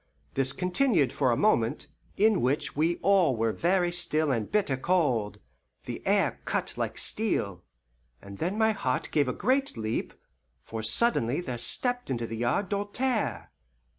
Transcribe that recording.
This continued for a moment, in which we all were very still and bitter cold the air cut like steel and then my heart gave a great leap, for suddenly there stepped into the yard Doltaire.